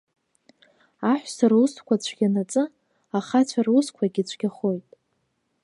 Аҳәса русқәа цәгьанаҵы ахацәа русқәагьы цәгьахоит.